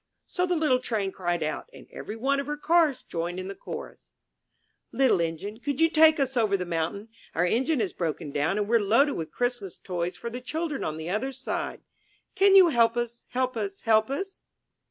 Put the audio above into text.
So the little Train cried out, and every one of her Cars joined in the chorus: X97 MY BOOK HOUSE ''Little Engine, could you take us over the mountain? Our engine has broken down, and we're loaded with Christmas toys for the children on the other side. Can you help us, help us, help us?''